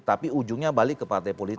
tapi ujungnya balik ke partai politik